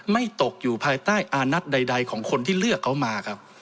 ไม่ตกอยู่ภายใต้อานัทใดของคนที่เลือกเขามาครับ